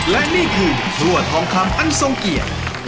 และนี่คือครัวทองคำอันทรงเกียรติ